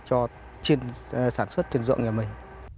cho sản xuất tiền dụng nhà mình